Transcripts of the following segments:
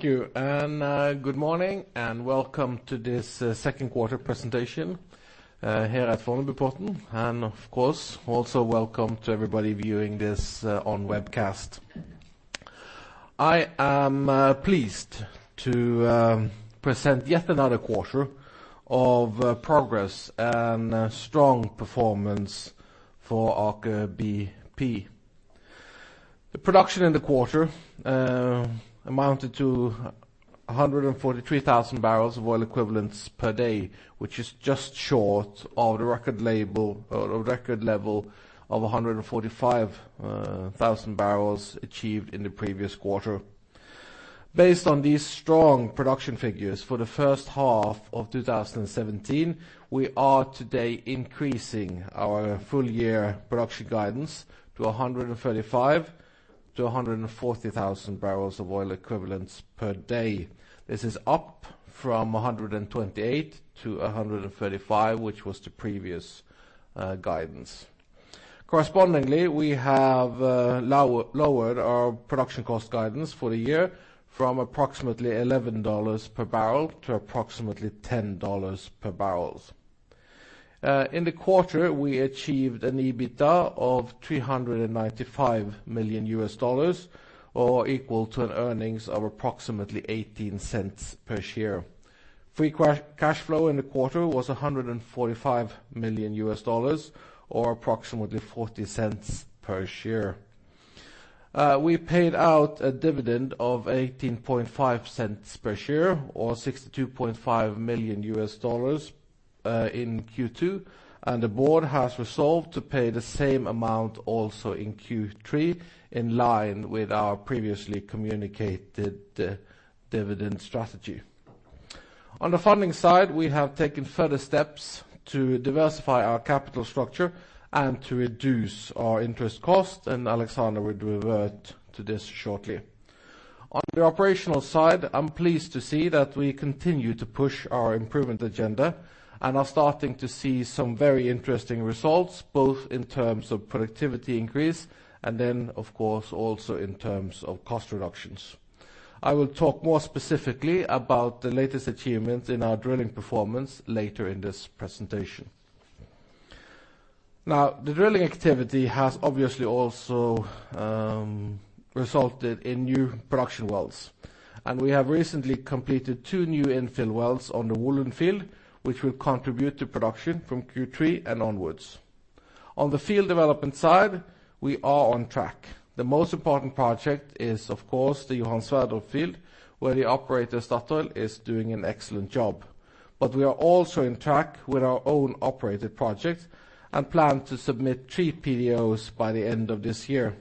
Thank you, and good morning, and welcome to this second quarter presentation here at Fornebubotn. Also welcome to everybody viewing this on webcast. I am pleased to present yet another quarter of progress and strong performance for Aker BP. The production in the quarter amounted to 143,000 barrels of oil equivalents per day, which is just short of the record level of 145,000 barrels achieved in the previous quarter. Based on these strong production figures for the first half of 2017, we are today increasing our full year production guidance to 135 to 140,000 barrels of oil equivalents per day. This is up from 128 to 135, which was the previous guidance. Correspondingly, we have lowered our production cost guidance for the year from approximately $11 per barrel to approximately $10 per barrels. In the quarter, we achieved an EBITDA of $395 million US, or equal to earnings of approximately $0.18 per share. Free cash flow in the quarter was $145 million or approximately $0.40 per share. We paid out a dividend of $0.185 per share or $62.5 million US in Q2, and the board has resolved to pay the same amount also in Q3, in line with our previously communicated dividend strategy. On the funding side, we have taken further steps to diversify our capital structure and to reduce our interest cost, and Alexander will revert to this shortly. On the operational side, I'm pleased to see that we continue to push our improvement agenda and are starting to see some very interesting results, both in terms of productivity increase and then, of course, also in terms of cost reductions. I will talk more specifically about the latest achievements in our drilling performance later in this presentation. Now, the drilling activity has obviously also resulted in new production wells, and we have recently completed two new infill wells on the Ula field, which will contribute to production from Q3 and onwards. On the field development side, we are on track. The most important project is, of course, the Johan Sverdrup field, where the operator, Statoil, is doing an excellent job. We are also on track with our own operated projects and plan to submit three PDOs by the end of this year.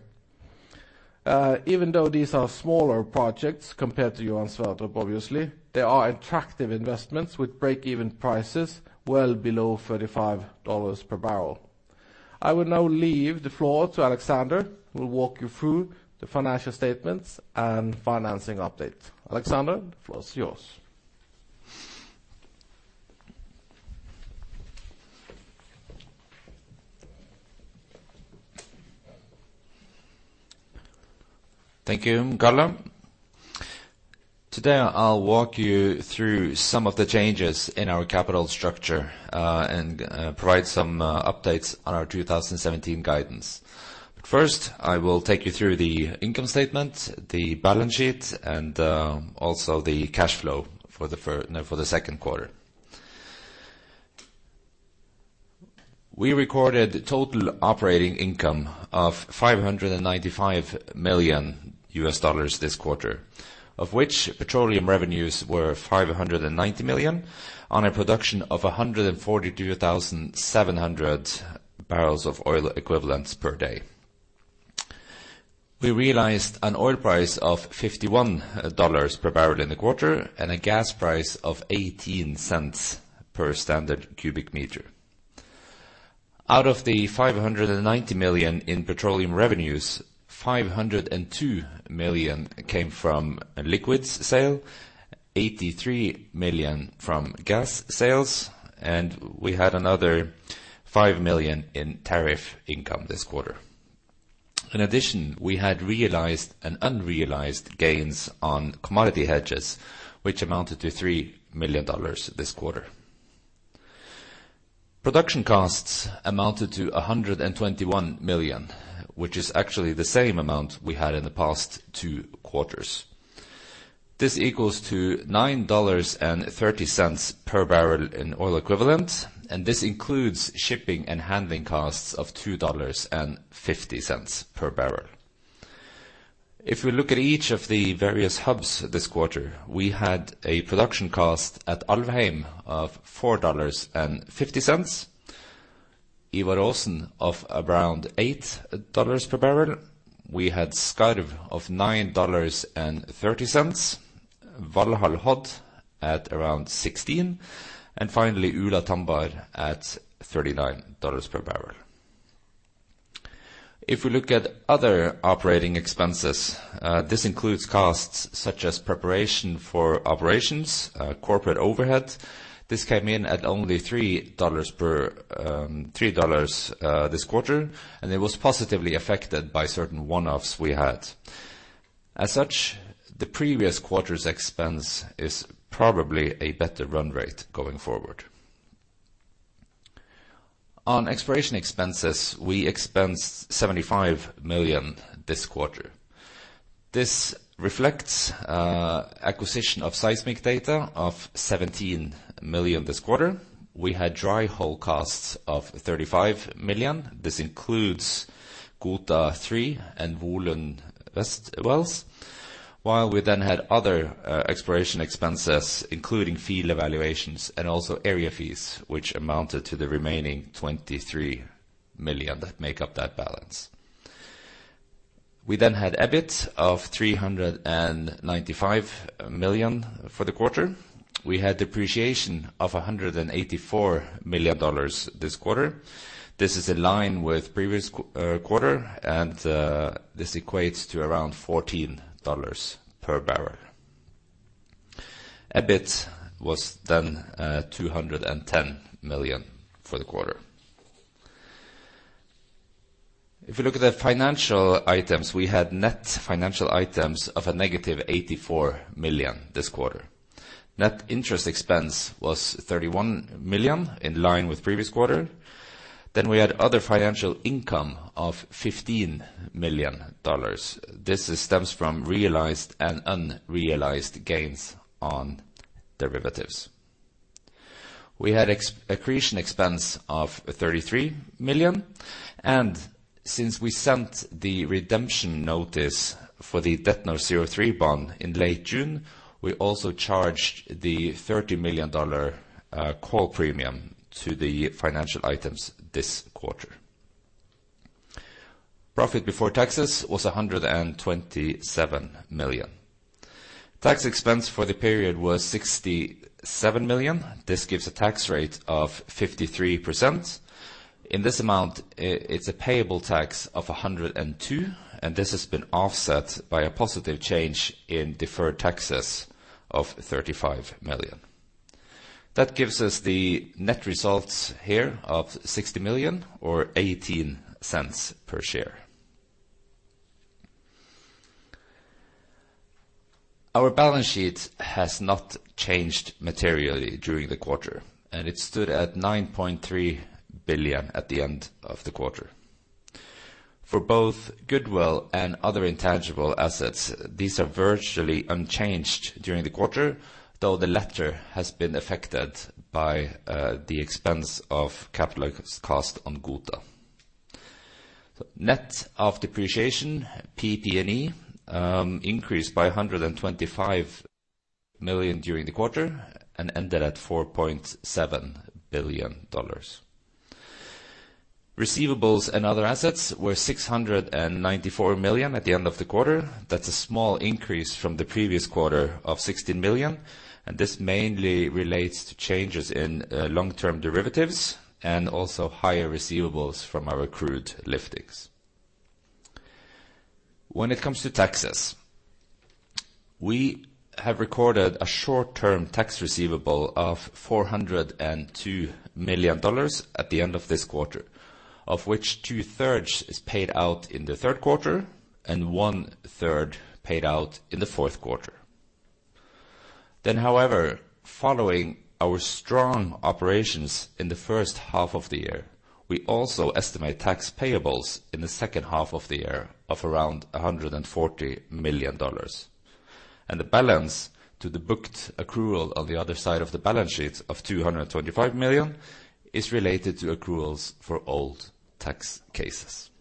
Even though these are smaller projects compared to Johan Sverdrup, obviously, they are attractive investments with break-even prices well below $35 per barrel. I will now leave the floor to Alexander, who will walk you through the financial statements and financing update. Alexander, the floor is yours. Thank you, Karl. Today, I'll walk you through some of the changes in our capital structure and provide some updates on our 2017 guidance. First, I will take you through the income statement, the balance sheet, and also the cash flow for the second quarter. We recorded total operating income of $595 million US this quarter, of which petroleum revenues were $590 million on a production of 142,700 barrels of oil equivalents per day. We realized an oil price of $51 per barrel in the quarter and a gas price of $0.18 per standard cubic meter. Out of the $590 million in petroleum revenues, $502 million came from liquids sale, $83 million from gas sales, and we had another $5 million in tariff income this quarter. In addition, we had realized and unrealized gains on commodity hedges, which amounted to $3 million this quarter. Production costs amounted to 121 million, which is actually the same amount we had in the past two quarters. This equals to NOK 9.30 per barrel in oil equivalent, and this includes shipping and handling costs of NOK 2.50 per barrel. If we look at each of the various hubs this quarter, we had a production cost at Alvheim of NOK 4.50, Ivar Aasen of around NOK 8 per barrel. We had Skarv of NOK 9.30, Valhall/Hod at around 16, and finally, Ula/Tambar at NOK 39 per barrel. If we look at other operating expenses, this includes costs such as preparation for operations, corporate overhead. This came in at only NOK 3 this quarter, and it was positively affected by certain one-offs we had. As such, the previous quarter's expense is probably a better run rate going forward. Exploration expenses, we expensed 75 million this quarter. This reflects acquisition of seismic data of 17 million this quarter. We had dry hole costs of 35 million. This includes Gohta-03 and Volund West wells, while we had other exploration expenses, including field evaluations and also area fees, which amounted to the remaining 23 million that make up that balance. We had EBIT of 395 million for the quarter. We had depreciation of NOK 184 million this quarter. This is in line with previous quarter, and this equates to around NOK 14 per barrel. EBIT was 210 million for the quarter. If you look at the financial items, we had net financial items of a negative 84 million this quarter. Net interest expense was 31 million, in line with previous quarter. We had other financial income of NOK 15 million. This stems from realized and unrealized gains on derivatives. We had accretion expense of 33 million. Since we sent the redemption notice for the DETNOR03 bond in late June, we also charged the NOK 30 million call premium to the financial items this quarter. Profit before taxes was 127 million. Tax expense for the period was 67 million. This gives a tax rate of 53%. In this amount, it's a payable tax of 102, and this has been offset by a positive change in deferred taxes of 35 million. That gives us the net results here of 60 million or 0.18 per share. Our balance sheet has not changed materially during the quarter, and it stood at 9.3 billion at the end of the quarter. For both goodwill and other intangible assets, these are virtually unchanged during the quarter, though the latter has been affected by the expense of capital cost on Gohta. Net of depreciation, PP&E increased by 125 million during the quarter and ended at NOK 4.7 billion. Receivables and other assets were 694 million at the end of the quarter. That's a small increase from the previous quarter of 16 million, and this mainly relates to changes in long-term derivatives and also higher receivables from our accrued liftings. When it comes to taxes, we have recorded a short-term tax receivable of NOK 402 million at the end of this quarter, of which two-thirds is paid out in the third quarter and one-third paid out in the fourth quarter. However, following our strong operations in the first half of the year, we also estimate tax payables in the second half of the year of around NOK 140 million. The balance to the booked accrual on the other side of the balance sheet of 225 million is related to accruals for old tax cases.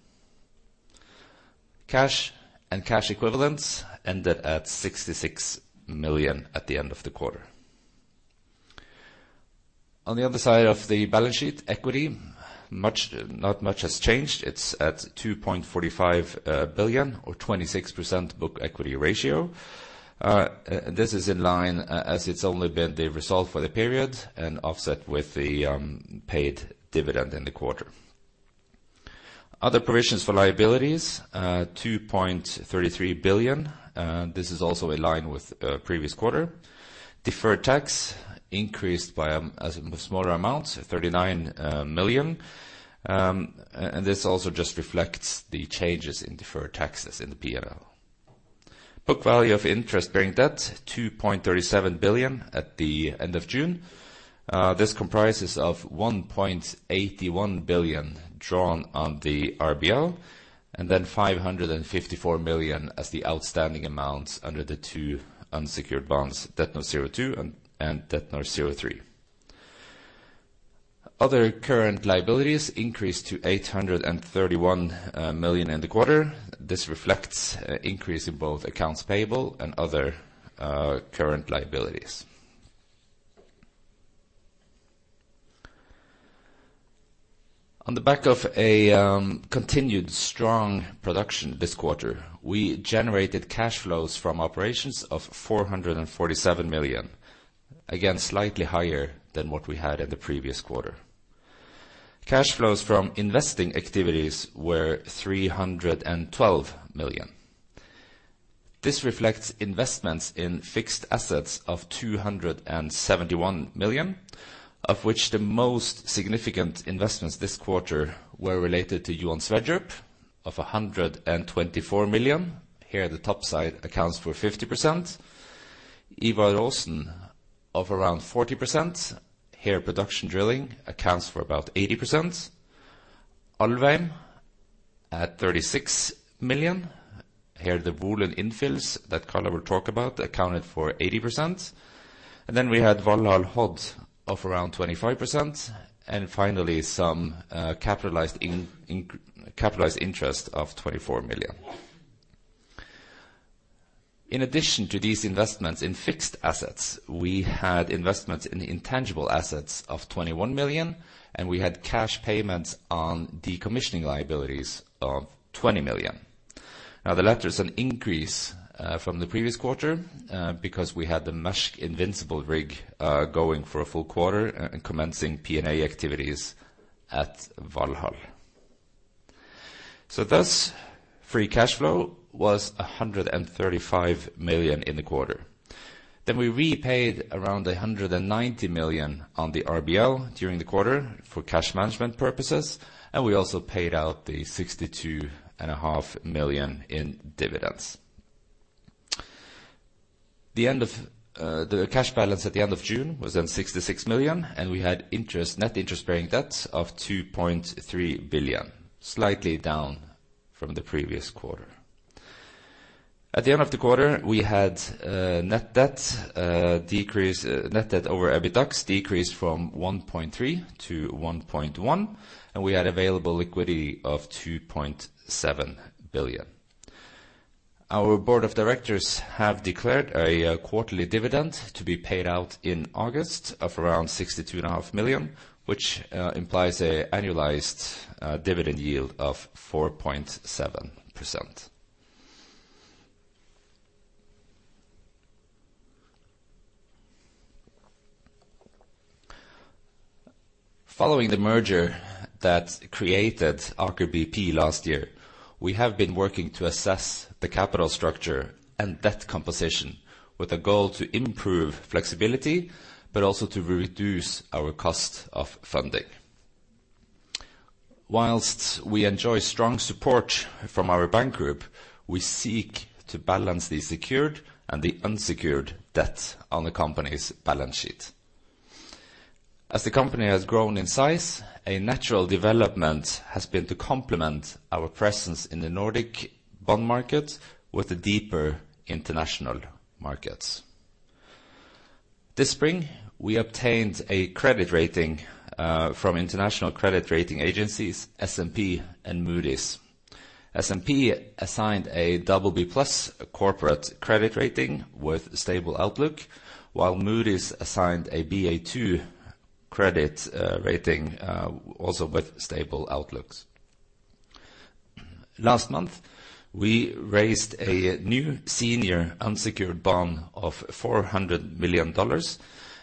Cash and cash equivalents ended at 66 million at the end of the quarter. The other side of the balance sheet, equity, not much has changed. It is at 2.45 billion or 26% book equity ratio. This is in line as it is only been the result for the period and offset with the paid dividend in the quarter. Other provisions for liabilities, 2.33 billion. This is also in line with the previous quarter. Deferred tax increased by a smaller amount, 39 million. This also just reflects the changes in deferred taxes in the P&L. Book value of interest-bearing debt, 2.37 billion at the end of June. This comprises of 1.81 billion drawn on the RBL, 554 million as the outstanding amount under the two unsecured bonds, DETNOR02 and DETNOR03. Other current liabilities increased to 831 million in the quarter. This reflects an increase in both accounts payable and other current liabilities. The back of a continued strong production this quarter, we generated cash flows from operations of 447 million, again, slightly higher than what we had in the previous quarter. Cash flows from investing activities were 312 million. This reflects investments in fixed assets of 271 million, of which the most significant investments this quarter were related to Johan Sverdrup of 124 million. Here, the top side accounts for 50%. Ivar Aasen of around 40%. Here, production drilling accounts for about 80%. Alvheim at 36 million. Here, the Volund infills that Karl will talk about accounted for 80%. We had Valhall HOD of around 25%. Finally, some capitalized interest of NOK 24 million. In addition to these investments in fixed assets, we had investments in intangible assets of 21 million. We had cash payments on decommissioning liabilities of 20 million. The latter is an increase from the previous quarter because we had the Maersk Invincible rig going for a full quarter and commencing P&A activities at Valhall. Free cash flow was 135 million in the quarter. We repaid around 190 million on the RBL during the quarter for cash management purposes. We also paid out the 62.5 million in dividends. The cash balance at the end of June was 66 million. We had net interest-bearing debt of 2.3 billion, slightly down from the previous quarter. The end of the quarter, we had net debt over EBITDA decreased from 1.3 to 1.1. We had available liquidity of 2.7 billion. Our board of directors have declared a quarterly dividend to be paid out in August of around 62.5 million, which implies an annualized dividend yield of 4.7%. The merger that created Aker BP last year, we have been working to assess the capital structure and debt composition with a goal to improve flexibility, also to reduce our cost of funding. Whilst we enjoy strong support from our bank group, we seek to balance the secured and the unsecured debt on the company's balance sheet. The company has grown in size, a natural development has been to complement our presence in the Nordic bond market with the deeper international markets. This spring, we obtained a credit rating from international credit rating agencies S&P and Moody's. S&P assigned a BB+ corporate credit rating with stable outlook, while Moody's assigned a Ba2 credit rating, also with stable outlooks. Last month, we raised a new senior unsecured bond of $400 million,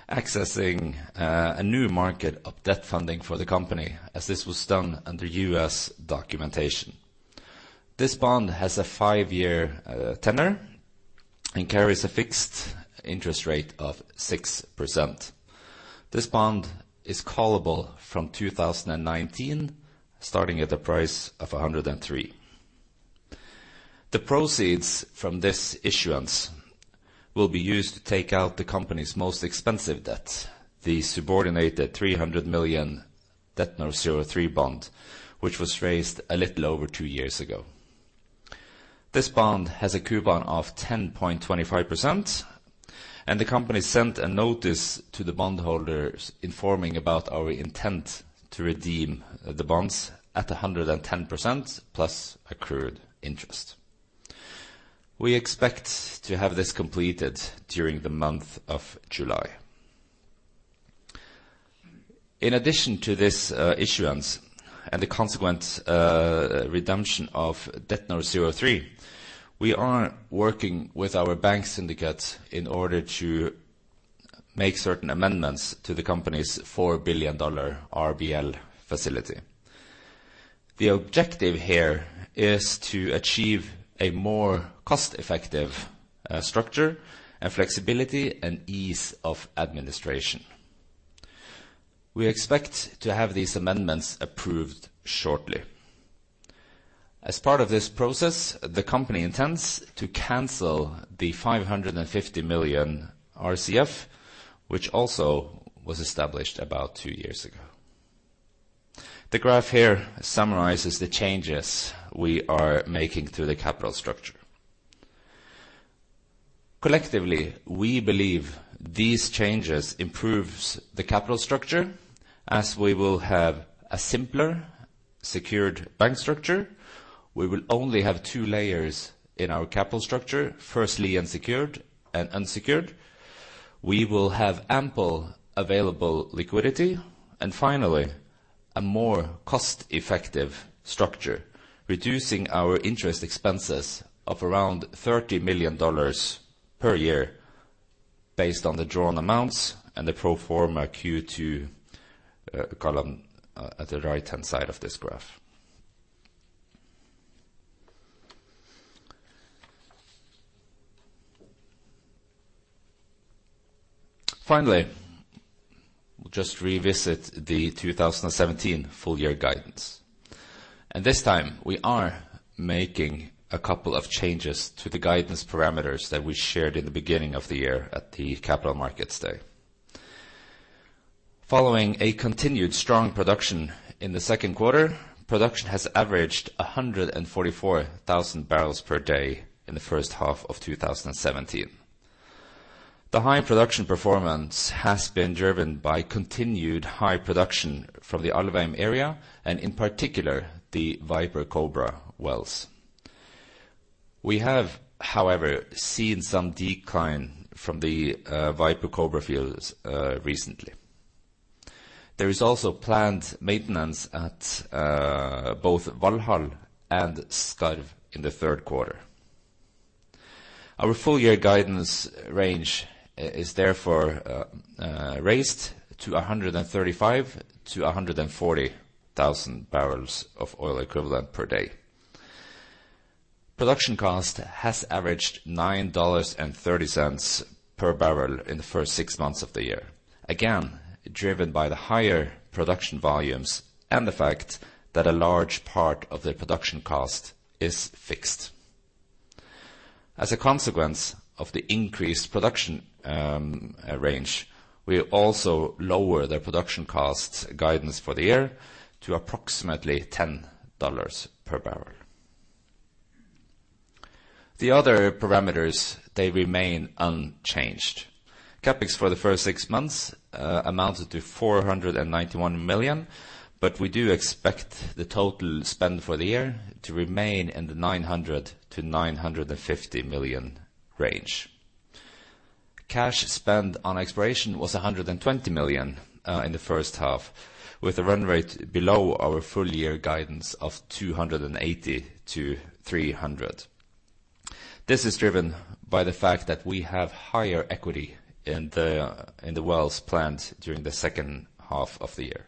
accessing a new market of debt funding for the company, as this was done under U.S. documentation. This bond has a five-year tenor and carries a fixed interest rate of 6%. This bond is callable from 2019, starting at a price of 103. The proceeds from this issuance will be used to take out the company's most expensive debt, the subordinated $300 million DETNOR03 bond, which was raised a little over two years ago. This bond has a coupon of 10.25%. The company sent a notice to the bondholders informing about our intent to redeem the bonds at 110% plus accrued interest. We expect to have this completed during the month of July. In addition to this issuance and the consequent redemption of DETNOR03, we are working with our bank syndicate in order to make certain amendments to the company's $4 billion RBL facility. The objective here is to achieve a more cost-effective structure, flexibility, and ease of administration. We expect to have these amendments approved shortly. As part of this process, the company intends to cancel the $550 million RCF, which also was established about two years ago. The graph here summarizes the changes we are making to the capital structure. Collectively, we believe these changes improves the capital structure as we will have a simpler secured bank structure. We will only have two layers in our capital structure, firstly secured and unsecured. We will have ample available liquidity. Finally, a more cost-effective structure, reducing our interest expenses of around $30 million per year based on the drawn amounts and the pro forma Q2 column at the right-hand side of this graph. Finally, we'll just revisit the 2017 full year guidance. This time, we are making a couple of changes to the guidance parameters that we shared in the beginning of the year at the Capital Markets Day. Following a continued strong production in the second quarter, production has averaged 144,000 barrels per day in the first half of 2017. The high production performance has been driven by continued high production from the Alvheim area, and in particular, the Viper-Kobra wells. We have, however, seen some decline from the Viper-Kobra fields recently. There is also planned maintenance at both Valhall and Skarv in the third quarter. Our full year guidance range is therefore raised to 135,000-140,000 barrels of oil equivalent per day. Production cost has averaged $9.30 per barrel in the first six months of the year, again, driven by the higher production volumes and the fact that a large part of the production cost is fixed. As a consequence of the increased production range, we also lower their production costs guidance for the year to approximately $10 per barrel. The other parameters, they remain unchanged. CapEx for the first six months amounted to 491 million. We do expect the total spend for the year to remain in the 900 million-950 million range. Cash spend on exploration was 120 million in the first half, with a run rate below our full year guidance of 280 million-300 million. This is driven by the fact that we have higher equity in the wells planned during the second half of the year.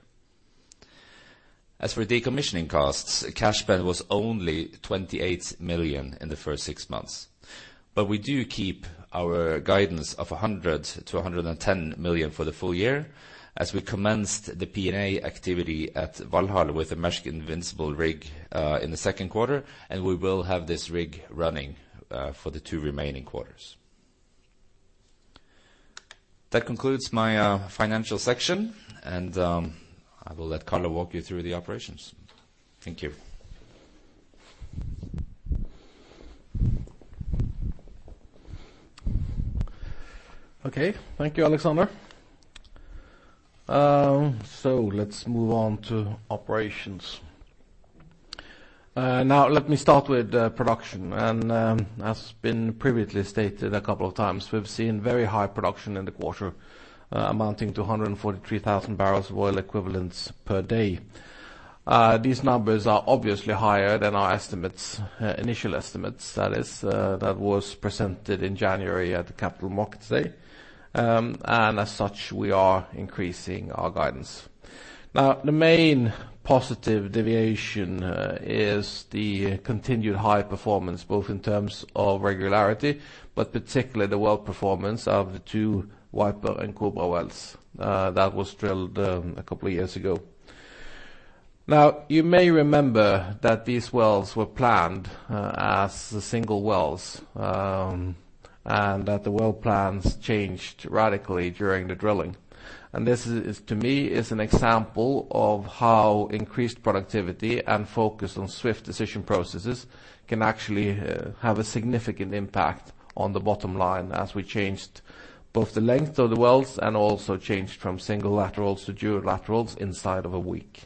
As for decommissioning costs, cash spend was only 28 million in the first six months. We do keep our guidance of 100 million to 110 million for the full year as we commenced the P&A activity at Valhall with the Maersk Invincible rig in the second quarter, and we will have this rig running for the two remaining quarters. That concludes my financial section, and I will let Carlo walk you through the operations. Thank you. Okay. Thank you, Alexander. Let's move on to operations. Let me start with production. As been previously stated a couple of times, we've seen very high production in the quarter, amounting to 143,000 barrels of oil equivalents per day. These numbers are obviously higher than our initial estimates that was presented in January at the Capital Markets Day. As such, we are increasing our guidance. The main positive deviation is the continued high performance, both in terms of regularity, but particularly the well performance of the two Viper-Kobra wells that was drilled a couple of years ago. You may remember that these wells were planned as the single wells, and that the well plans changed radically during the drilling. This, to me, is an example of how increased productivity and focus on swift decision processes can actually have a significant impact on the bottom line as we changed both the length of the wells and also changed from single laterals to dual laterals inside of a week.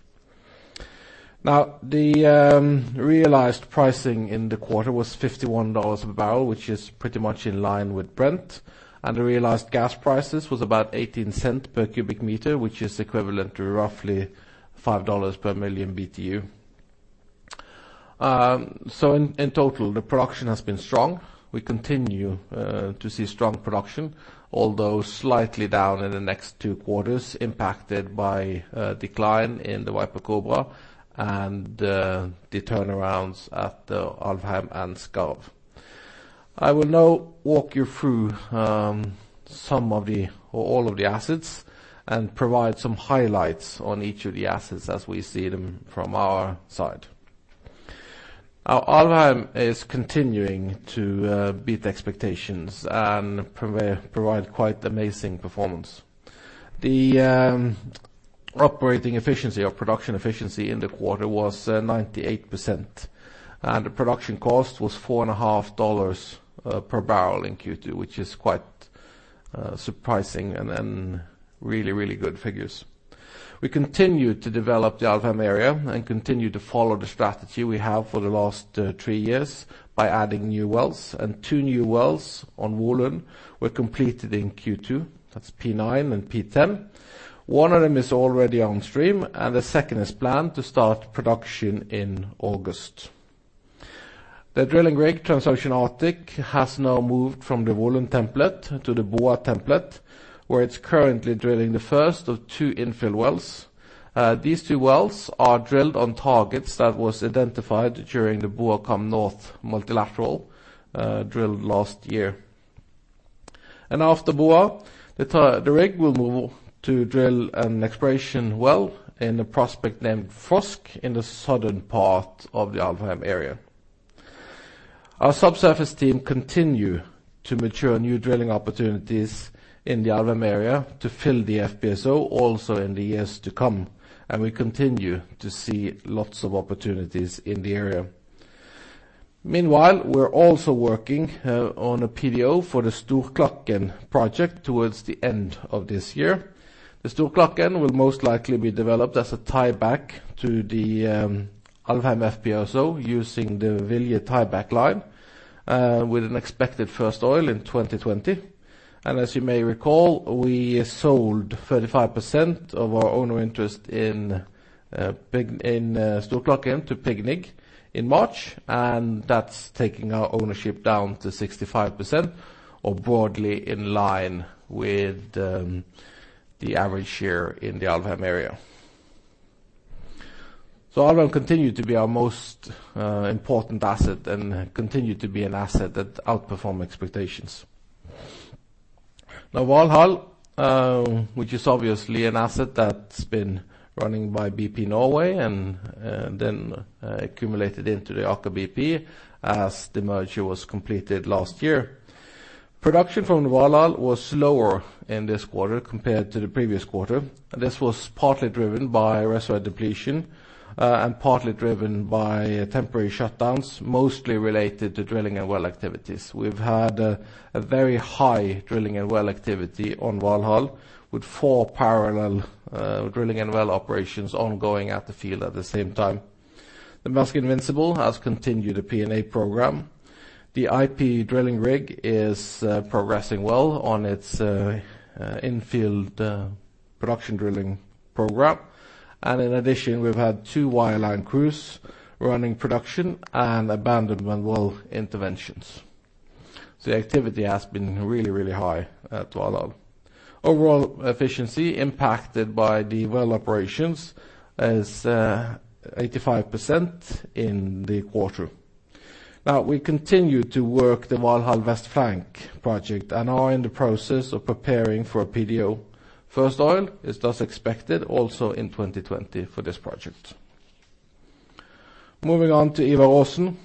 The realized pricing in the quarter was $51 a barrel, which is pretty much in line with Brent, and the realized gas prices was about $0.18 per cubic meter, which is equivalent to roughly $5 per million BTU. In total, the production has been strong. We continue to see strong production, although slightly down in the next two quarters, impacted by a decline in the Viper-Kobra and the turnarounds at the Alvheim and Skarv. I will now walk you through all of the assets and provide some highlights on each of the assets as we see them from our side. Alvheim is continuing to beat expectations and provide quite amazing performance. The operating efficiency or production efficiency in the quarter was 98%, and the production cost was $4.50 per barrel in Q2, which is quite surprising and really good figures. We continue to develop the Alvheim area and continue to follow the strategy we have for the last three years by adding new wells. Two new wells on Volund were completed in Q2. That's P9 and P10. One of them is already on stream, and the second is planned to start production in August. The drilling rig Transocean Arctic has now moved from the Volund template to the Boa template, where it's currently drilling the first of two infill wells. These two wells are drilled on targets that was identified during the Boa Calm North multilateral drilled last year. After Boa, the rig will move to drill an exploration well in a prospect named Frosk in the southern part of the Alvheim area. Our subsurface team continue to mature new drilling opportunities in the Alvheim area to fill the FPSO also in the years to come. We continue to see lots of opportunities in the area. Meanwhile, we're also working on a PDO for the Storklakken project towards the end of this year. The Storklakken will most likely be developed as a tieback to the Alvheim FPSO, using the Valje tieback line, with an expected first oil in 2020. As you may recall, we sold 35% of our owner interest in Storklakken to PGNiG in March. That's taking our ownership down to 65%, or broadly in line with the average share in the Alvheim area. Alvheim continue to be our most important asset and continue to be an asset that outperform expectations. Now, Valhall, which is obviously an asset that's been running by BP Norge and then accumulated into the Aker BP as the merger was completed last year. Production from Valhall was slower in this quarter compared to the previous quarter. This was partly driven by reservoir depletion, and partly driven by temporary shutdowns, mostly related to drilling and well activities. We've had a very high drilling and well activity on Valhall, with four parallel drilling and well operations ongoing at the field at the same time. The Maersk Invincible has continued a P&A program. The IP drilling rig is progressing well on its infield production drilling program. In addition, we've had two wireline crews running production and abandonment well interventions. The activity has been really high at Valhall. Overall efficiency impacted by the well operations is 85% in the quarter. We continue to work the Valhall West Flank project and are in the process of preparing for a PDO. First oil is thus expected also in 2020 for this project. Moving on to Ivar Aasen.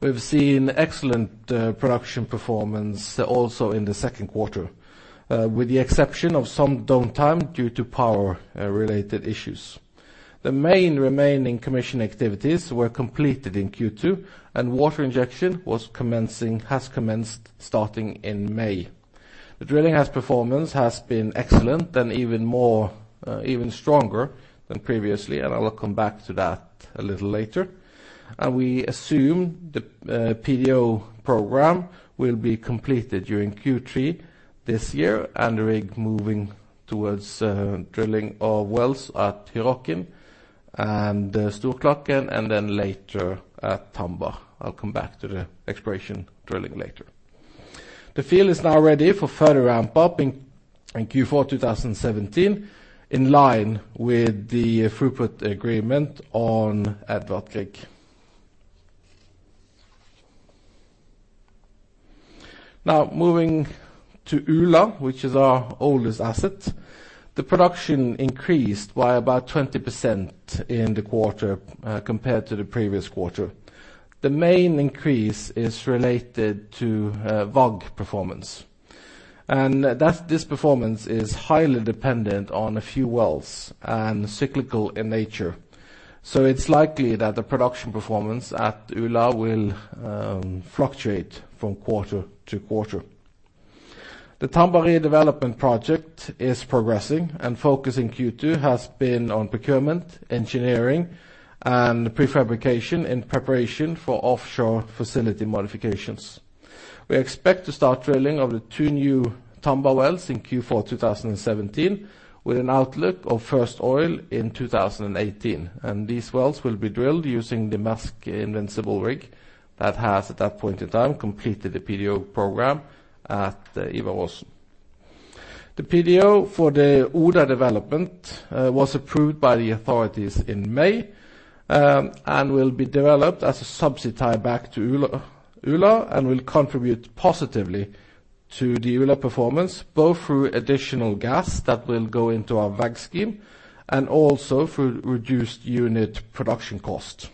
We've seen excellent production performance also in the second quarter, with the exception of some downtime due to power-related issues. The main remaining commission activities were completed in Q2, and water injection has commenced starting in May. The drilling performance has been excellent and even stronger than previously. I will come back to that a little later. I assume the PDO program will be completed during Q3 this year and the rig moving towards drilling of wells at Hyrokkin and Storklakken, and later at Tambar. I'll come back to the exploration drilling later. The field is now ready for further ramp-up in Q4 2017, in line with the throughput agreement on Edvard Grieg. Moving to Ula, which is our oldest asset. The production increased by about 20% in the quarter compared to the previous quarter. The main increase is related to WAG performance. This performance is highly dependent on a few wells and cyclical in nature. It's likely that the production performance at Ula will fluctuate from quarter to quarter. The Tambar development project is progressing, focus in Q2 has been on procurement, engineering, and prefabrication in preparation for offshore facility modifications. We expect to start drilling of the two new Tambar wells in Q4 2017, with an outlook of first oil in 2018. These wells will be drilled using the Maersk Invincible rig that has, at that point in time, completed the PDO program at Ivar Aasen. The PDO for the Oda development was approved by the authorities in May, will be developed as a subsea tieback to Ula and will contribute positively to the Ula performance, both through additional gas that will go into our WAG scheme and also through reduced unit production cost.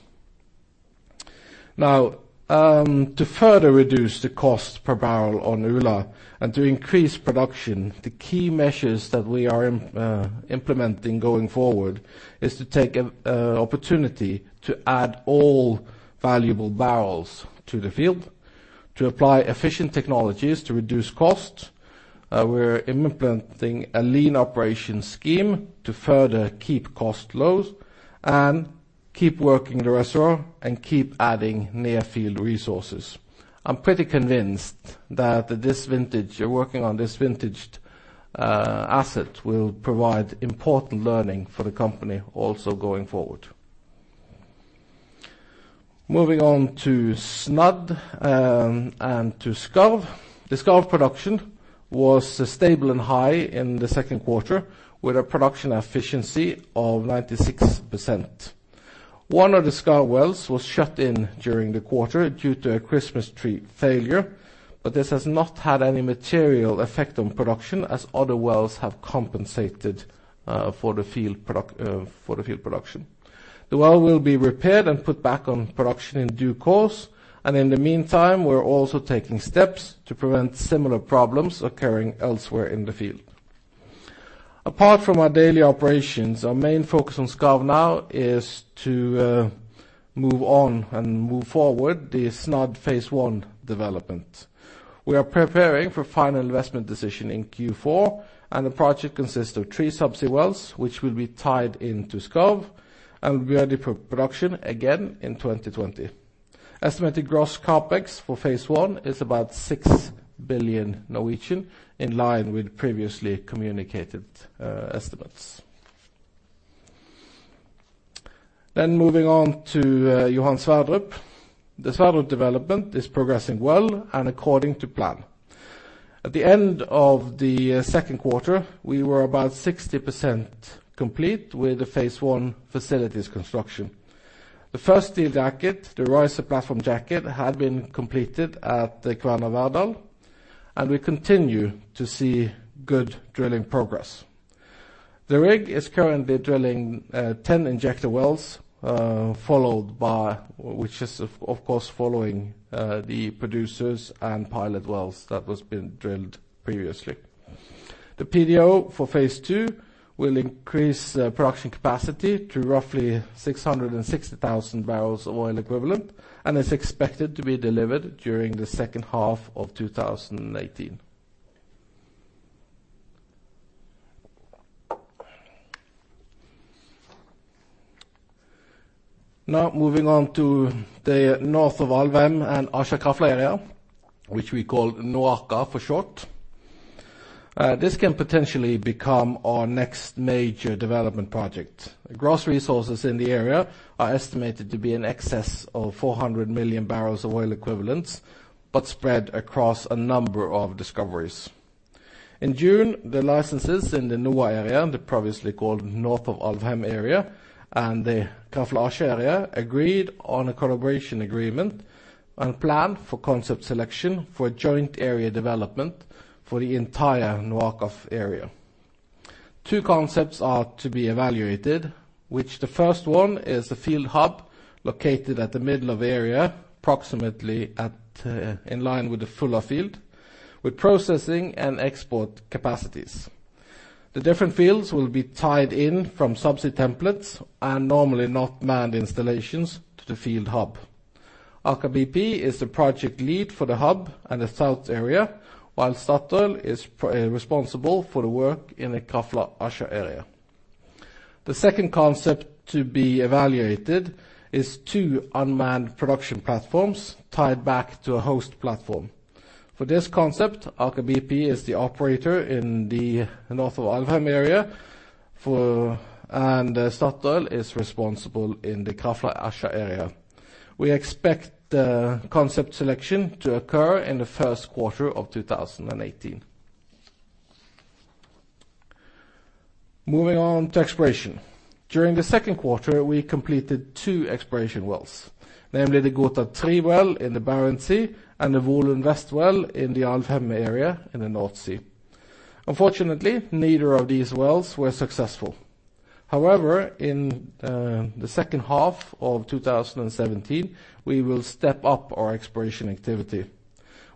Now, to further reduce the cost per barrel on Ula and to increase production, the key measures that we are implementing going forward is to take an opportunity to add all valuable barrels to the field, to apply efficient technologies to reduce cost. We're implementing a lean operation scheme to further keep cost low and keep working the reservoir and keep adding near-field resources. I'm pretty convinced that working on this vintage asset will provide important learning for the company also going forward. Moving on to Snadd and to Skarv. The Skarv production was stable and high in the second quarter with a production efficiency of 96%. One of the Skarv wells was shut in during the quarter due to a Christmas tree failure, this has not had any material effect on production as other wells have compensated for the field production. The well will be repaired and put back on production in due course, in the meantime, we're also taking steps to prevent similar problems occurring elsewhere in the field. Apart from our daily operations, our main focus on Skarv now is to move on and move forward the Ærfugl Phase One development. We are preparing for final investment decision in Q4, the project consists of 3 subsea wells, which will be tied into Skarv and will be ready for production again in 2020. Estimated gross CapEx for phase 1 is about 6 billion, in line with previously communicated estimates. Moving on to Johan Sverdrup. The Sverdrup development is progressing well and according to plan. At the end of the second quarter, we were about 60% complete with the phase 1 facilities construction. The first steel jacket, the riser platform jacket, had been completed at the Kværner Verdal, we continue to see good drilling progress. The rig is currently drilling 10 injector wells, which is of course following the producers and pilot wells that was been drilled previously. The PDO for phase 2 will increase production capacity to roughly 660,000 barrels of oil equivalent and is expected to be delivered during the second half of 2018. Now moving on to the North of Alvheim and Krafla-Åsgard area, which we call NOAKA for short. This can potentially become our next major development project. Gross resources in the area are estimated to be in excess of 400 million barrels of oil equivalents, spread across a number of discoveries. In June, the licenses in the NOA area, the previously called North of Alvheim Area and the Krafla-Åsgard area, agreed on a collaboration agreement and plan for concept selection for a joint area development for the entire NOAKA area. Two concepts are to be evaluated, which the first one is the field hub located at the middle of area, approximately in line with the full field, with processing and export capacities. The different fields will be tied in from subsea templates and normally not manned installations to the field hub. Aker BP is the project lead for the hub and the south area, while Statoil is responsible for the work in the Krafla-Åsgard area. The second concept to be evaluated is two unmanned production platforms tied back to a host platform. For this concept, Aker BP is the operator in the North of Alvheim area and Statoil is responsible in the Krafla-Åsgard area. We expect the concept selection to occur in the first quarter of 2018. Moving on to exploration. During the second quarter, we completed two exploration wells, namely the Gohta-3 well in the Barents Sea and the Volund Vest well in the Alvheim area in the North Sea. Unfortunately, neither of these wells were successful. However, in the second half of 2017, we will step up our exploration activity.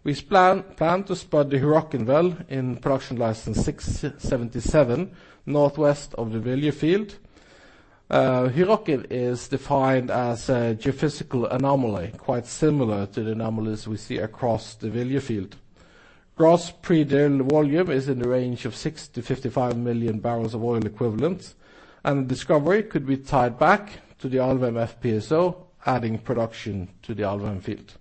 We plan to spud the Hyrokkin well in production license 677, northwest of the Valje field. Hyrokkin is defined as a geophysical anomaly, quite similar to the anomalies we see across the Valje field. Gross pre-drill volume is in the range of 6 to 55 million barrels of oil equivalent, and the discovery could be tied back to the Alvheim FPSO, adding production to the Alvheim field.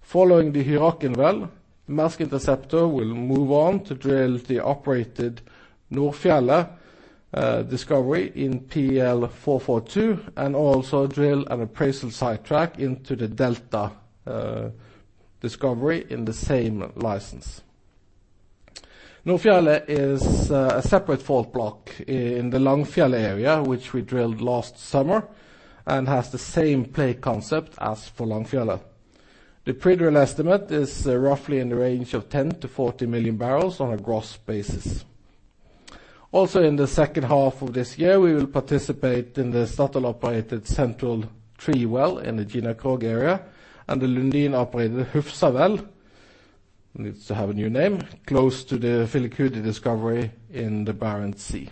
Following the Hyrokkin well, Maersk Interceptor will move on to drill the operated Nordfjellet discovery in PL 442 and also drill an appraisal sidetrack into the Delta discovery in the same license. Nordfjellet is a separate fault block in the Langfjellet area, which we drilled last summer and has the same play concept as for Langfjellet. The pre-drill estimate is roughly in the range of 10 to 40 million barrels on a gross basis. Also in the second half of this year, we will participate in the Statoil-operated Central 3 well in the Gina Krog area and the Lundin-operated Hufsa well, needs to have a new name, close to the Filicudi discovery in the Barents Sea.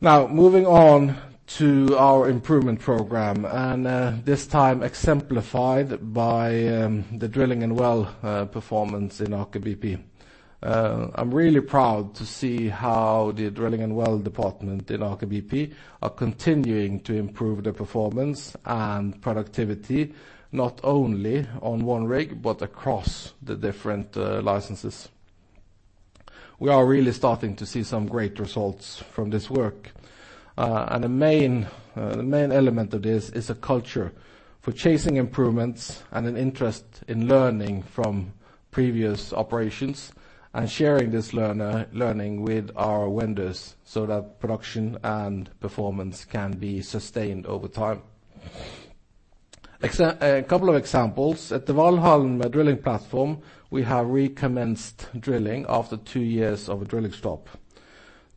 Moving on to our improvement program, this time exemplified by the drilling and well performance in Aker BP. I'm really proud to see how the drilling and well department in Aker BP are continuing to improve their performance and productivity, not only on one rig, but across the different licenses. We are really starting to see some great results from this work. The main element of this is a culture for chasing improvements and an interest in learning from Previous operations and sharing this learning with our vendors so that production and performance can be sustained over time. A couple of examples. At the Valhall drilling platform, we have recommenced drilling after two years of a drilling stop.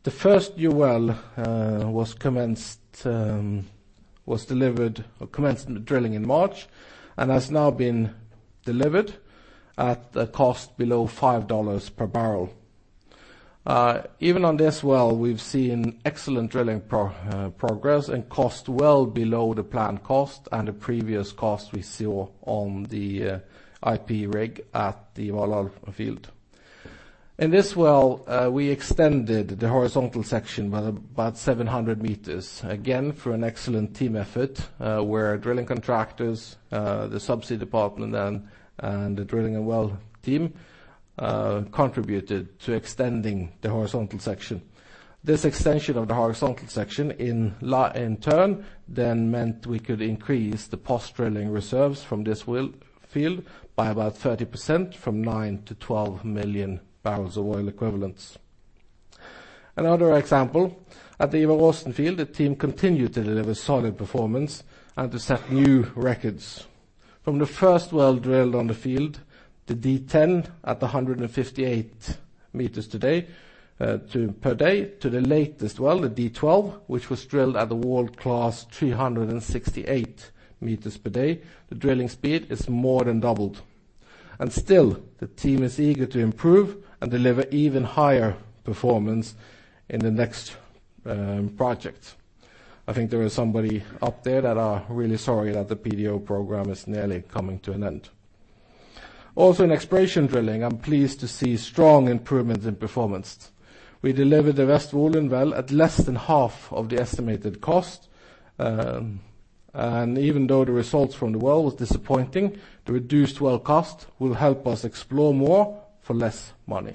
The first new well commenced drilling in March and has now been delivered at a cost below NOK 5 per barrel. Even on this well, we've seen excellent drilling progress and cost well below the planned cost and the previous cost we saw on the IP rig at the Valhall field. In this well, we extended the horizontal section by about 700 meters, again, through an excellent team effort, where our drilling contractors, the subsea department, and the drilling and well team contributed to extending the horizontal section. This extension of the horizontal section in turn meant we could increase the post-drilling reserves from this well field by about 30%, from nine to 12 million barrels of oil equivalents. Another example, at the Ivar Aasen field, the team continued to deliver solid performance and to set new records. From the first well drilled on the field, the D-10 at 158 meters per day to the latest well, the D-12, which was drilled at a world-class 368 meters per day. The drilling speed is more than doubled. Still, the team is eager to improve and deliver even higher performance in the next project. I think there is somebody up there that are really sorry that the PDO program is nearly coming to an end. Also, in exploration drilling, I'm pleased to see strong improvements in performance. We delivered the West Olen well at less than half of the estimated cost. Even though the results from the well was disappointing, the reduced well cost will help us explore more for less money.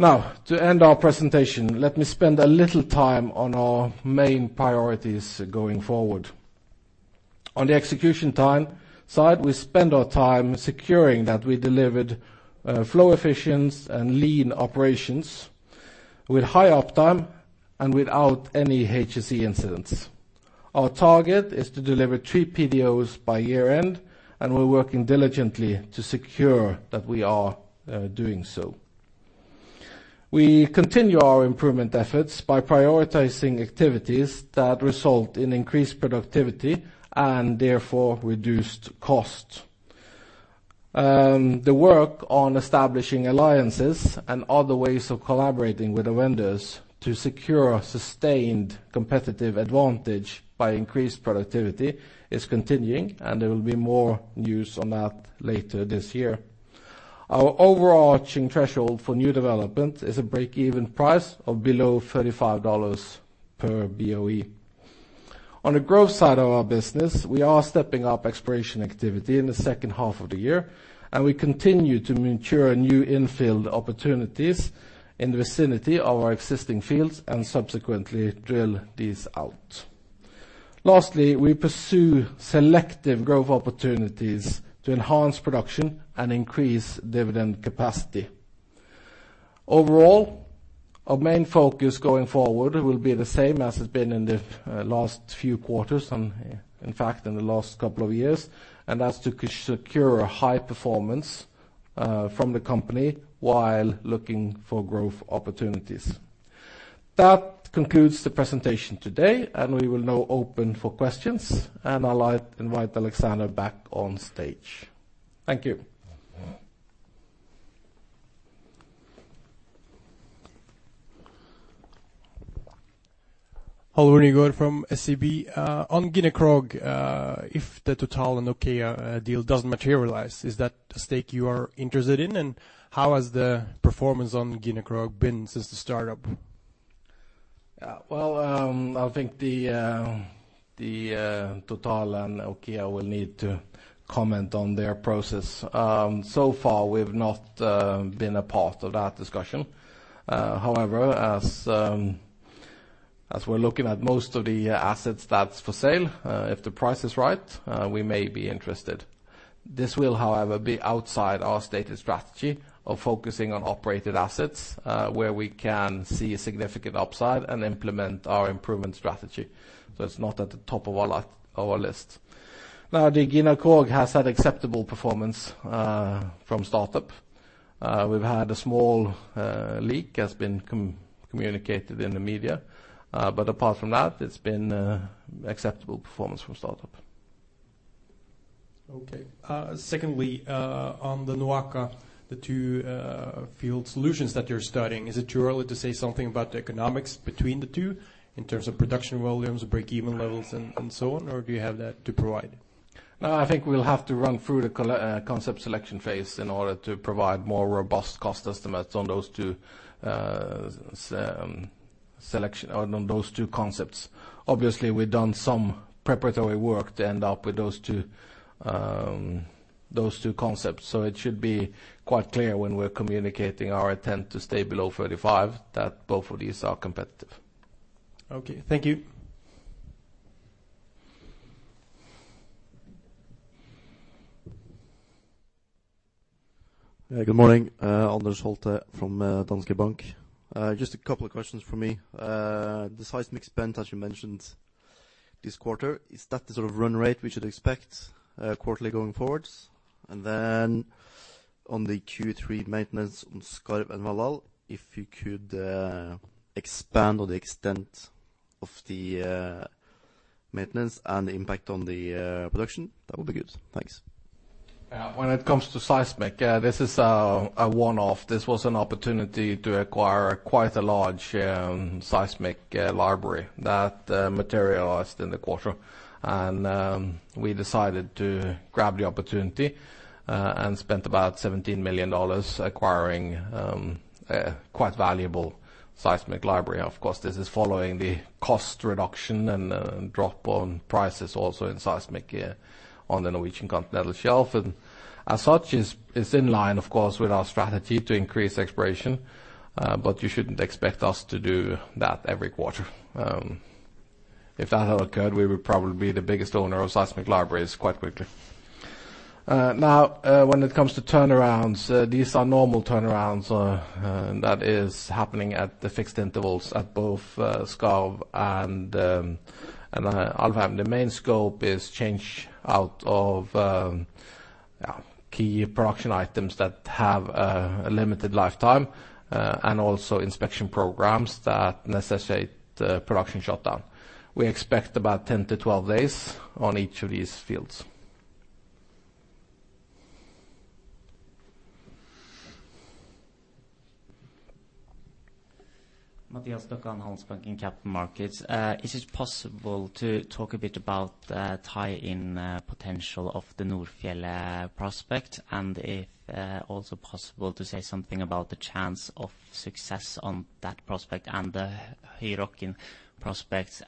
Now, to end our presentation, let me spend a little time on our main priorities going forward. On the execution time side, we spend our time securing that we delivered flow efficiency and lean operations with high uptime and without any HSE incidents. Our target is to deliver three PDOs by year-end, and we're working diligently to secure that we are doing so. We continue our improvement efforts by prioritizing activities that result in increased productivity and therefore reduced cost. The work on establishing alliances and other ways of collaborating with the vendors to secure sustained competitive advantage by increased productivity is continuing, and there will be more news on that later this year. Our overarching threshold for new development is a break-even price of below $35 per BOE. On the growth side of our business, we are stepping up exploration activity in the second half of the year, and we continue to mature new infill opportunities in the vicinity of our existing fields and subsequently drill these out. Lastly, we pursue selective growth opportunities to enhance production and increase dividend capacity. Overall, our main focus going forward will be the same as it's been in the last few quarters, and in fact, in the last couple of years, and that's to secure high performance from the company while looking for growth opportunities. That concludes the presentation today, and we will now open for questions, and I'll invite Alexander back on stage. Thank you. Hello, Rune Gør from SEB. On Gina Krog, if the Total and OKEA deal doesn't materialize, is that the stake you are interested in? How has the performance on Gina Krog been since the startup? Well, I think the Total and OKEA will need to comment on their process. So far we've not been a part of that discussion. However, as we're looking at most of the assets that's for sale, if the price is right, we may be interested. This will, however, be outside our stated strategy of focusing on operated assets where we can see a significant upside and implement our improvement strategy. It's not at the top of our list. Now, the Gina Krog has had acceptable performance from startup. We've had a small leak, as been communicated in the media. Apart from that, it's been acceptable performance from startup. Okay. Secondly, on the NOAKA, the two field solutions that you're studying, is it too early to say something about the economics between the two in terms of production volumes or break-even levels and so on? Do you have that to provide? No, I think we'll have to run through the concept selection phase in order to provide more robust cost estimates on those two concepts. Obviously, we've done some preparatory work to end up with those two concepts. It should be quite clear when we're communicating our intent to stay below 35 that both of these are competitive. Okay. Thank you. Good morning. Anders Holte from Danske Bank. Just a couple of questions from me. The seismic spend, as you mentioned this quarter, is that the sort of run rate we should expect quarterly going forwards? Then on the Q3 maintenance on Skarv and Valhall, if you could expand on the extent of the maintenance and the impact on the production, that would be good. Thanks. When it comes to seismic, this is a one-off. This was an opportunity to acquire quite a large seismic library that materialized in the quarter. We decided to grab the opportunity and spent about NOK 17 million acquiring a quite valuable seismic library. Of course, this is following the cost reduction and drop on prices also in seismic on the Norwegian continental shelf. As such, it's in line, of course, with our strategy to increase exploration. You shouldn't expect us to do that every quarter. If that had occurred, we would probably be the biggest owner of seismic libraries quite quickly. Now, when it comes to turnarounds, these are normal turnarounds that is happening at the fixed intervals at both Skarv and Alvheim. The main scope is change out of key production items that have a limited lifetime, and also inspection programs that necessitate production shutdown. We expect about 10 to 12 days on each of these fields. Mattias Dokken, Handelsbanken Capital Markets. Is it possible to talk a bit about tie-in potential of the Nordfjellet prospect, if also possible to say something about the chance of success on that prospect and the prospects?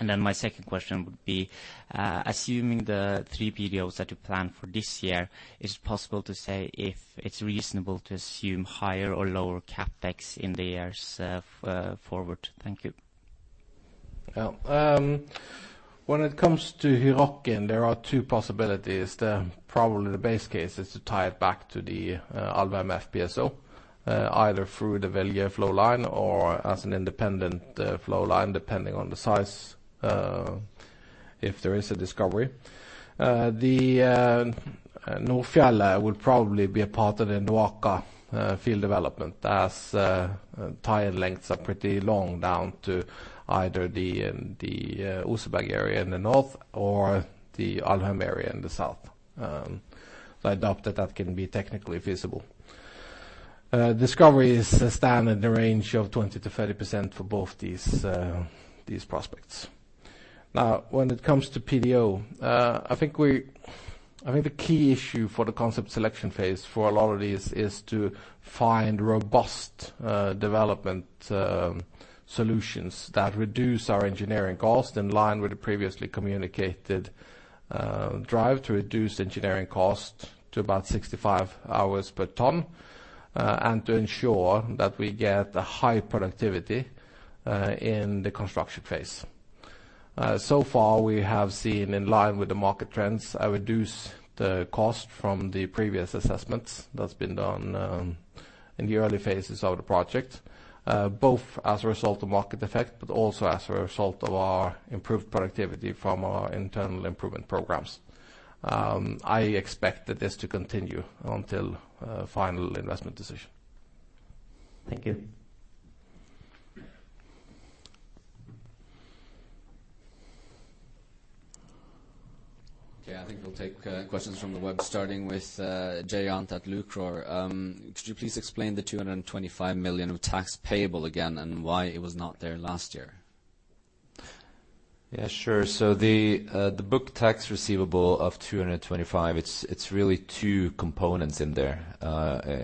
My second question would be, assuming the 3 PDOs that you plan for this year, is it possible to say if it's reasonable to assume higher or lower CapEx in the years forward? Thank you. When it comes to, there are two possibilities. Probably the base case is to tie it back to the Alvheim FPSO, either through the Vilje flow line or as an independent flow line, depending on the size if there is a discovery. The Nordfjellet will probably be a part of the NOAKA field development as tie-in lengths are pretty long down to either the Oseberg area in the north or the Alvheim area in the south. I doubt that that can be technically feasible. Discovery is standard in the range of 20%-30% for both these prospects. When it comes to PDO, I think the key issue for the concept selection phase for a lot of these is to find robust development solutions that reduce our engineering cost in line with the previously communicated drive to reduce engineering cost to about 65 hours per ton and to ensure that we get high productivity in the construction phase. Far we have seen in line with the market trends, a reduced cost from the previous assessments that's been done in the early phases of the project, both as a result of market effect, but also as a result of our improved productivity from our internal improvement programs. I expect this to continue until final investment decision. Thank you. Okay. I think we'll take questions from the web, starting with Jayant at Lucror Analytics. Could you please explain the 225 million of tax payable again and why it was not there last year? Yeah, sure. The book tax receivable of 225, it's really two components in there.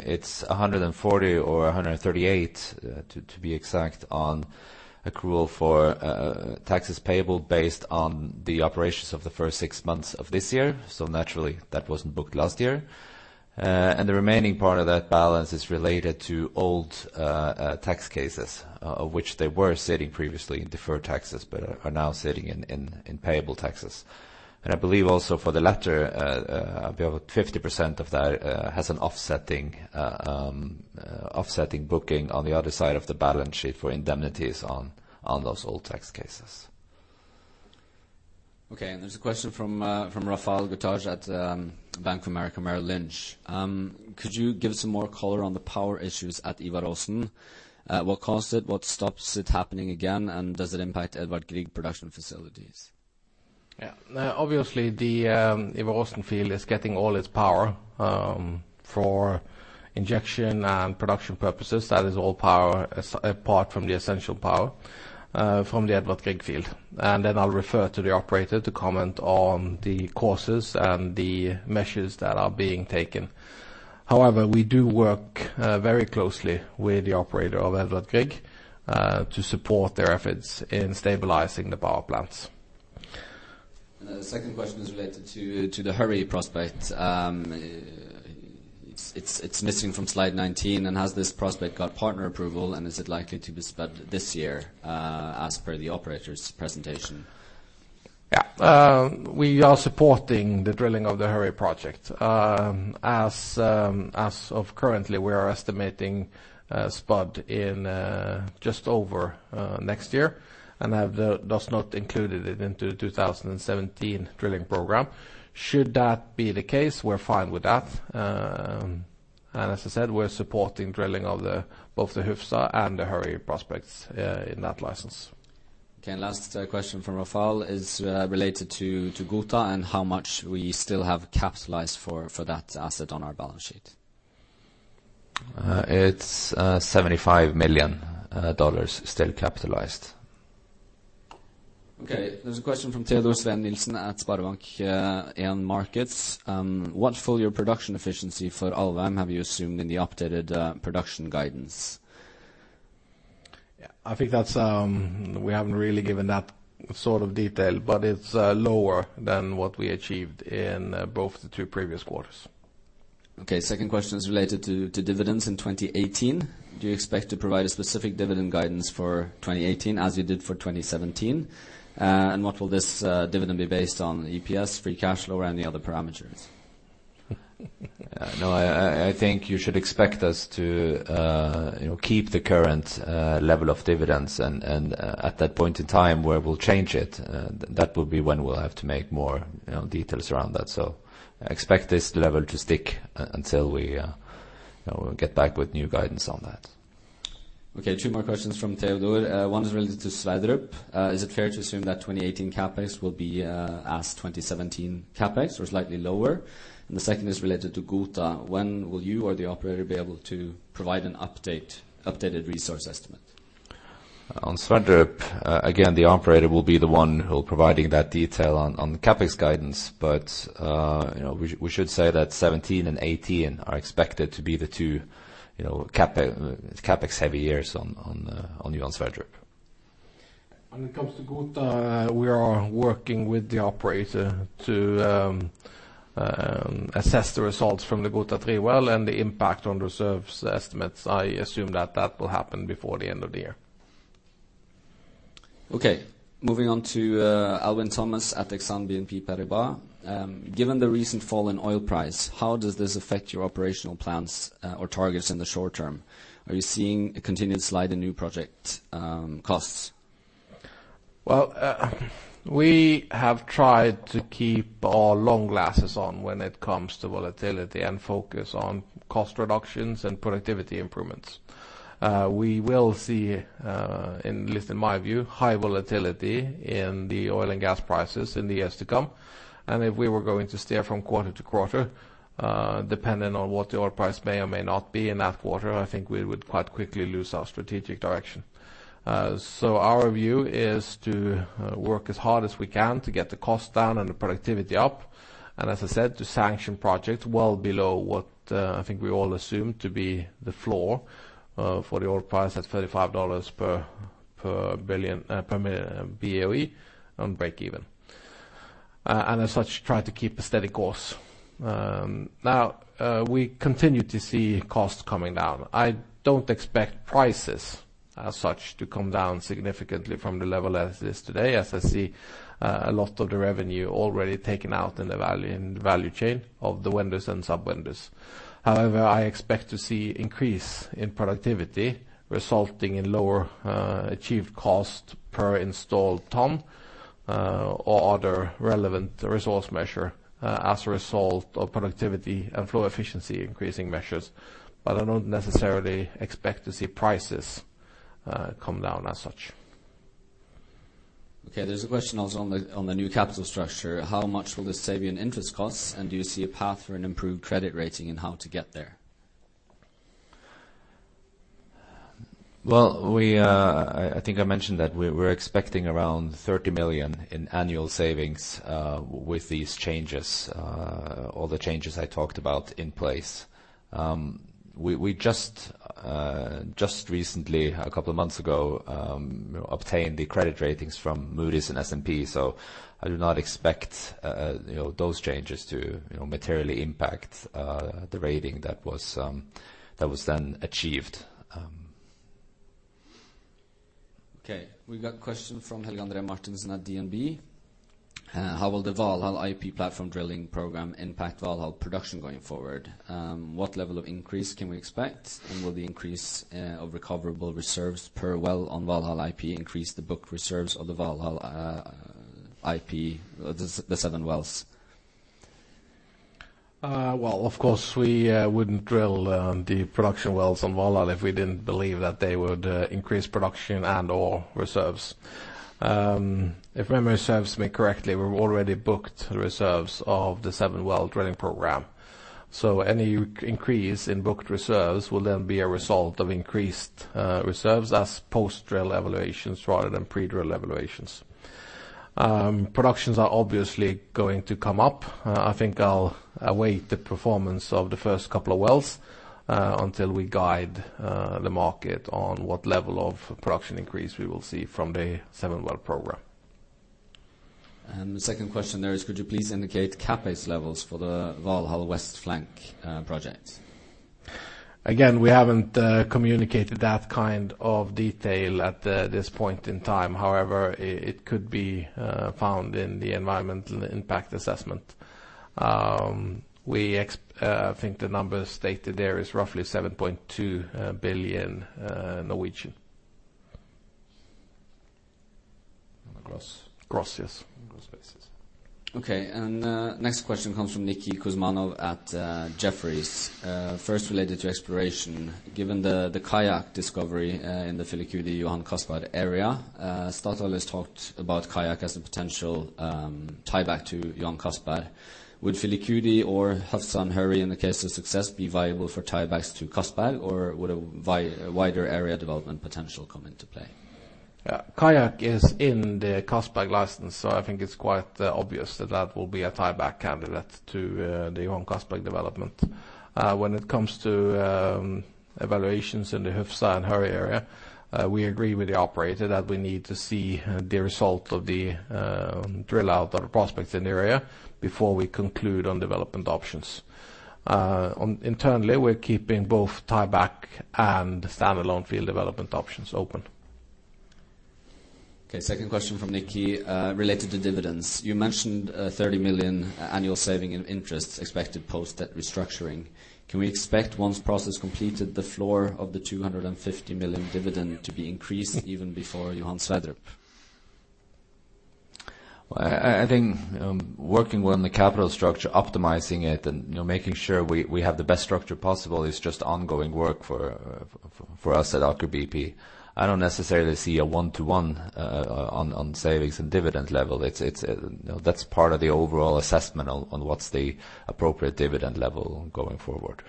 It's 140 or 138 to be exact on accrual for taxes payable based on the operations of the first six months of this year. Naturally that wasn't booked last year. The remaining part of that balance is related to old tax cases, of which they were sitting previously in deferred taxes but are now sitting in payable taxes. I believe also for the latter, about 50% of that has an offsetting booking on the other side of the balance sheet for indemnities on those old tax cases. Okay. There's a question from Yoann Charenton at Bank of America Merrill Lynch. Could you give some more color on the power issues at Ivar Aasen? What caused it? What stops it happening again? Does it impact Edvard Grieg production facilities? Yeah. Obviously the Ivar Aasen field is getting all its power for injection and production purposes. That is all power apart from the essential power from the Edvard Grieg field. I'll refer to the operator to comment on the causes and the measures that are being taken. However, we do work very closely with the operator of Edvard Grieg to support their efforts in stabilizing the power plants. The second question is related to the Hurri prospect. It's missing from slide 19, and has this prospect got partner approval and is it likely to be spent this year, as per the operator's presentation? Yeah. We are supporting the drilling of the Hurri project. As of currently, we are estimating spud in just over next year and have thus not included it into 2017 drilling program. Should that be the case, we're fine with that. As I said, we're supporting drilling of both the Hufsa and the Hurri prospects in that license. Okay, last question from Raphael is related to Gohta and how much we still have capitalized for that asset on our balance sheet. It's $75 million still capitalized. Okay. There's a question from Teodor Sveen-Nilsen at SpareBank 1 Markets. What full-year production efficiency for Alvheim have you assumed in the updated production guidance? I think we haven't really given that sort of detail, but it's lower than what we achieved in both the two previous quarters. Okay, second question is related to dividends in 2018. Do you expect to provide a specific dividend guidance for 2018 as you did for 2017? What will this dividend be based on? EPS, free cash flow, or any other parameters? No, I think you should expect us to keep the current level of dividends and at that point in time where we'll change it, that will be when we'll have to make more details around that. Expect this level to stick until we get back with new guidance on that. Okay, two more questions from Teodor. One is related to Sverdrup. Is it fair to assume that 2018 CapEx will be as 2017 CapEx or slightly lower? The second is related to Gohta. When will you or the operator be able to provide an updated resource estimate? On Sverdrup, again, the operator will be the one who are providing that detail on the CapEx guidance. We should say that 2017 and 2018 are expected to be the two CapEx heavy years on Johan Sverdrup. When it comes to Gohta, we are working with the operator to assess the results from the Gohta 3 well and the impact on reserves estimates. I assume that will happen before the end of the year. Okay. Moving on to Alwyn Thomas at Exane BNP Paribas. Given the recent fall in oil price, how does this affect your operational plans or targets in the short term? Are you seeing a continued slide in new project costs? Well, we have tried to keep our long glasses on when it comes to volatility and focus on cost reductions and productivity improvements. We will see, at least in my view, high volatility in the oil and gas prices in the years to come. If we were going to steer from quarter to quarter, depending on what the oil price may or may not be in that quarter, I think we would quite quickly lose our strategic direction. Our view is to work as hard as we can to get the cost down and the productivity up. As I said, to sanction projects well below what I think we all assume to be the floor for the oil price at $35 per BOE on breakeven. As such, try to keep a steady course. Now, we continue to see costs coming down. I don't expect prices as such to come down significantly from the level as it is today, as I see a lot of the revenue already taken out in the value chain of the vendors and sub-vendors. However, I expect to see increase in productivity resulting in lower achieved cost per installed ton, or other relevant resource measure as a result of productivity and flow efficiency increasing measures. I don't necessarily expect to see prices come down as such. Okay. There's a question also on the new capital structure. How much will this save you in interest costs, and do you see a path for an improved credit rating and how to get there? Well, I think I mentioned that we're expecting around 30 million in annual savings with these changes. All the changes I talked about in place. We just recently, a couple of months ago, obtained the credit ratings from Moody's and S&P. I do not expect those changes to materially impact the rating that was then achieved. Okay. We got question from Helge André Martinsen at DNB. How will the Valhall IP platform drilling program impact Valhall production going forward? What level of increase can we expect? Will the increase of recoverable reserves per well on Valhall IP increase the book reserves of the Valhall IP, the seven wells? Well, of course, we wouldn't drill the production wells on Valhall if we didn't believe that they would increase production and/or reserves. If memory serves me correctly, we've already booked the reserves of the seven-well drilling program. Any increase in booked reserves will be a result of increased reserves as post-drill evaluations rather than pre-drill evaluations. Productions are obviously going to come up. I think I'll await the performance of the first couple of wells, until we guide the market on what level of production increase we will see from the seven-well program. The second question there is, could you please indicate CapEx levels for the Valhall West Flank project? Again, we haven't communicated that kind of detail at this point in time. However, it could be found in the environmental impact assessment. We think the number stated there is roughly 7.2 billion. Across? Across, yes. Across spaces. Okay, next question comes from Nikolas Kuzmanovic at Jefferies. First related to exploration, given the Kayak discovery in the Filicudi Johan Castberg area, Statoil has talked about Kayak as a potential tie-back to Johan Castberg. Would Filicudi or Hufsa Hurri, in the case of success, be viable for tie-backs to Castberg, or would a wider area development potential come into play? Yeah. Kayak is in the Castberg license, so I think it's quite obvious that that will be a tie-back candidate to the Johan Castberg development. When it comes to evaluations in the Hufsa Hurri area, we agree with the operator that we need to see the result of the drill out or prospects in the area before we conclude on development options. Internally, we're keeping both tie-back and standalone field development options open. Okay, second question from Nikki related to dividends. You mentioned 30 million annual saving in interests expected post-debt restructuring. Can we expect, once process completed, the floor of the 250 million dividend to be increased even before Johan Sverdrup? Well, I think working on the capital structure, optimizing it, and making sure we have the best structure possible is just ongoing work for us at Aker BP. I don't necessarily see a one-to-one on savings and dividend level. That's part of the overall assessment on what's the appropriate dividend level going forward.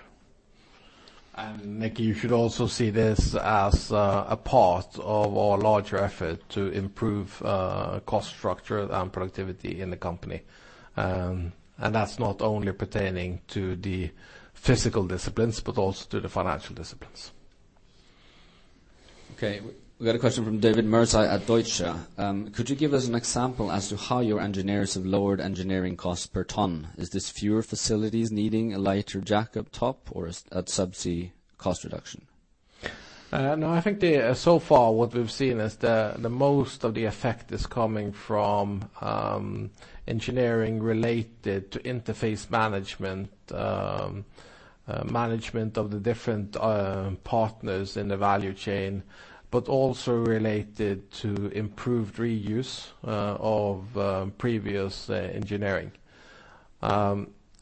Nikki, you should also see this as a part of our larger effort to improve cost structure and productivity in the company. That's not only pertaining to the physical disciplines, but also to the financial disciplines. Okay. We got a question from David Mirza at Deutsche. Could you give us an example as to how your engineers have lowered engineering costs per ton? Is this fewer facilities needing a lighter jackup top or a sub-sea cost reduction? No, I think so far what we've seen is that most of the effect is coming from engineering related to interface management of the different partners in the value chain. Also related to improved reuse of previous engineering.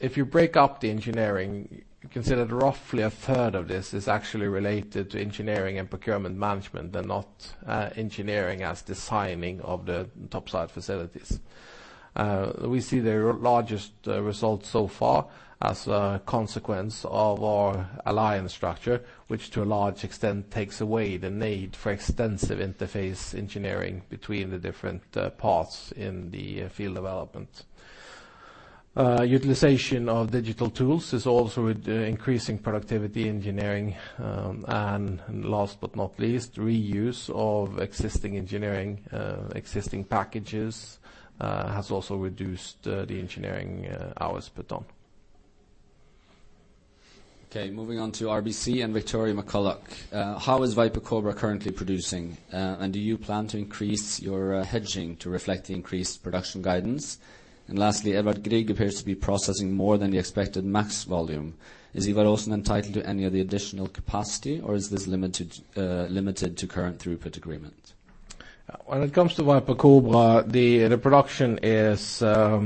If you break up the engineering, you consider roughly a third of this is actually related to engineering and procurement management and not engineering as designing of the topside facilities. We see the largest results so far as a consequence of our alliance structure, which to a large extent takes away the need for extensive interface engineering between the different parts in the field development. Utilization of digital tools is also increasing productivity engineering. Last but not least, reuse of existing engineering, existing packages, has also reduced the engineering hours per ton. Okay, moving on to RBC and Victoria McCulloch. How is Viper-Kobra currently producing? Do you plan to increase your hedging to reflect the increased production guidance? Lastly, Edvard Grieg appears to be processing more than the expected max volume. Is Edvard also entitled to any of the additional capacity, or is this limited to current throughput agreement? When it comes to Viper-Kobra, the production is a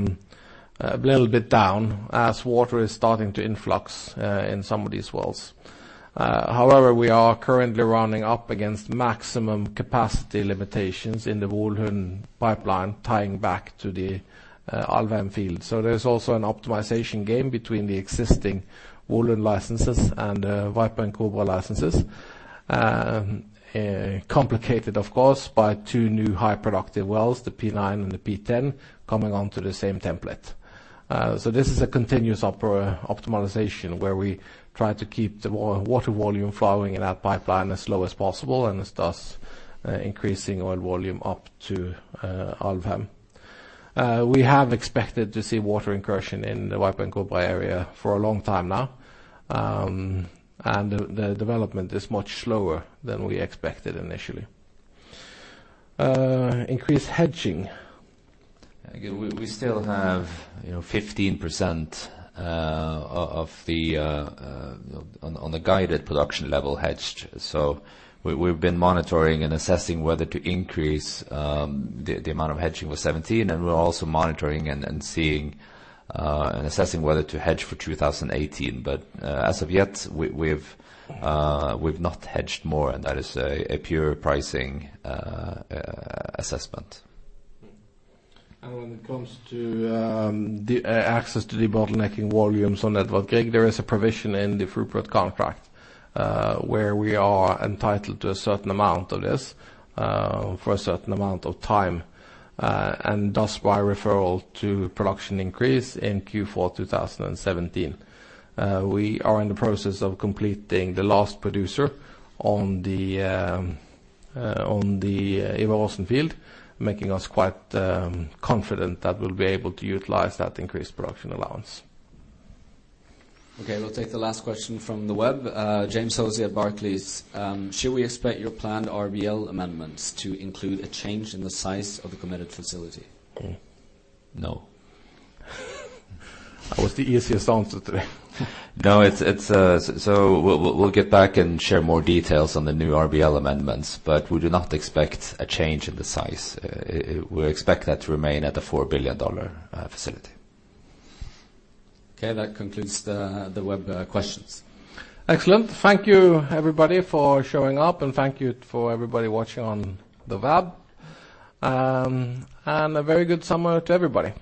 little bit down as water is starting to influx in some of these wells. However, we are currently running up against maximum capacity limitations in the Volund pipeline tying back to the Alvheim field. There's also an optimization game between the existing Volund licenses and Viper and Kobra licenses. Complicated of course by two new high productive wells, the P9 and the P10, coming onto the same template. This is a continuous optimization where we try to keep the water volume flowing in our pipeline as low as possible and thus increasing oil volume up to Alvheim. We have expected to see water incursion in the Viper and Kobra area for a long time now. The development is much slower than we expected initially. Increased hedging. Again, we still have 15% on the guided production level hedged. We've been monitoring and assessing whether to increase the amount of hedging with 17, and we're also monitoring and assessing whether to hedge for 2018. As of yet, we've not hedged more, and that is a pure pricing assessment. When it comes to the access to the bottlenecking volumes on Edvard Grieg, there is a provision in the throughput contract, where we are entitled to a certain amount of this for a certain amount of time, and thus by referral to production increase in Q4 2017. We are in the process of completing the last producer on the Edvard Grieg field, making us quite confident that we'll be able to utilize that increased production allowance. Okay, we'll take the last question from the web. James Hosie at Barclays. Should we expect your planned RBL amendments to include a change in the size of the committed facility? No. That was the easiest answer today. No, we'll get back and share more details on the new RBL amendments, but we do not expect a change in the size. We expect that to remain at a 4 billion dollar facility. Okay, that concludes the web questions. Excellent. Thank you everybody for showing up, and thank you for everybody watching on the web. A very good summer to everybody.